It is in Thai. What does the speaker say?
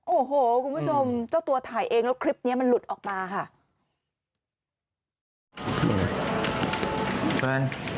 โอ้โหคุณผู้ชมเจ้าตัวถ่ายเองแล้วคลิปนี้มันหลุดออกมาค่ะ